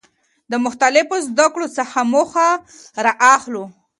د مختلفو زده کړو څخه موخه را اخلو.